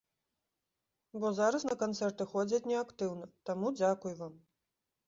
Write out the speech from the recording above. Бо зараз на канцэрты ходзяць не актыўна, таму, дзякуй вам!